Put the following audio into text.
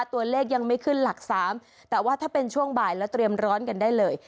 ตัวเลขยังไม่ขึ้นหลักสามแต่ว่าถ้าเป็นช่วงบ่ายแล้วเตรียมร้อนกันได้เลย